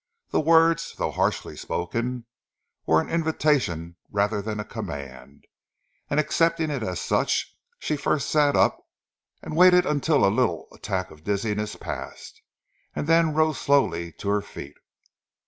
The words, though harshly spoken, were an invitation rather than a command, and accepting it as such, she first sat up, waited until a little attack of dizziness passed and then rose slowly to her feet.